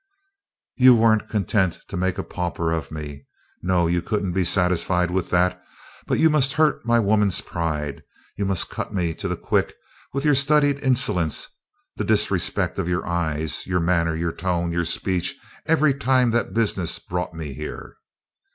"You weren't content to make a pauper of me. No, you couldn't be satisfied with that, but you must hurt my woman's pride you must cut me to the quick with your studied insolence, the disrespect of your eyes, your manner, your tone, your speech, every time that business brought me here!